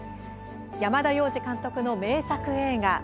山田洋次監督の名作映画